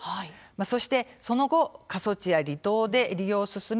そして、その後過疎地や離島で利用を進め